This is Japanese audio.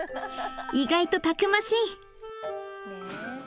意外とたくましい！